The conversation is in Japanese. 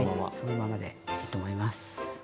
はいそのままでいいと思います。